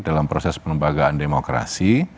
dalam proses penembagaan demokrasi